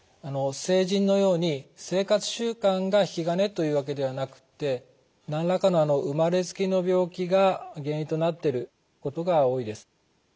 成人のように生活習慣が引き金というわけではなくて何らかの生まれつきの病気が原因となってることが多いです。